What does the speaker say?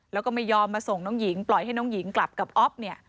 แล้วก็ไม่ยอมมาส่งน้องหญิงปล่อยให้น้องหญิงกลับกับอ๊อฟเนี่ย